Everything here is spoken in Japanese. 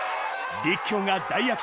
立教が大躍進。